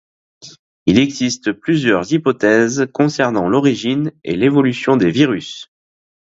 Il existe plusieurs hypothèses concernant l'origine et l'évolution des virus.